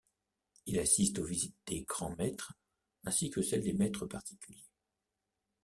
Il assiste aux visites des grands-maîtres, ainsi que celles des maîtres particuliers.